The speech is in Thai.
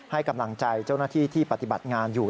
ให้กำลังใจเจ้าหน้าที่ที่ปฏิบัติงานอยู่